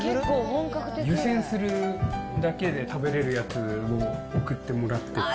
湯せんするだけで食べれるやつを送ってもらってて。